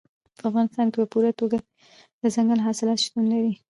په افغانستان کې په پوره توګه دځنګل حاصلات شتون لري.